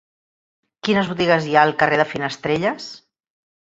Quines botigues hi ha al carrer de Finestrelles?